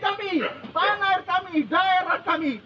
tuhan jaga di dalam nama yesus